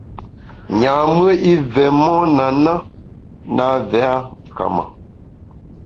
Nyam-ùe i vé mon a na, na vé a nka ma.